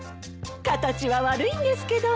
形は悪いんですけど。